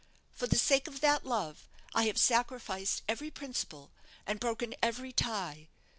For the sake of that love I have sacrificed every principle and broken every tie.